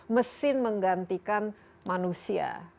mesin menggantikan manusia